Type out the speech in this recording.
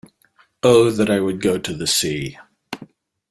O that I would go to the sea!